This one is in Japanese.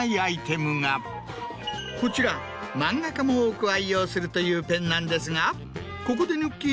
こちら漫画家も多く愛用するというペンなんですがここでぬっきぃ